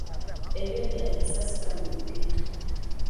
Eby'edda ebisasika mu lugero.